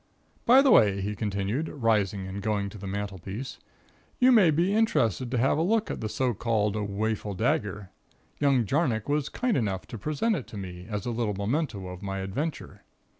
"By the way," he continued, rising and going to the mantelpiece, "you may be interested to have a look at the so called 'waeful dagger.' Young Jarnock was kind enough to present it to me, as a little memento of my adventure."